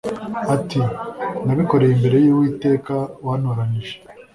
ati “Nabikoreye imbere y’Uwiteka wantoranije